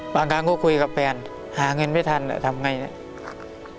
บางครั้งก็คุยกับแฟนหาเงินไม่ทันแล้วทำไงเนี่ย